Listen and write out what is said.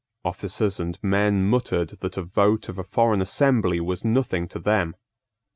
Officers and men muttered that a vote of a foreign assembly was nothing to them.